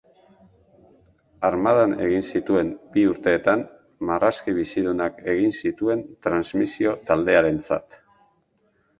Armadan egin zituen bi urteetan, marrazki bizidunak egin zituen transmisio-taldearentzat.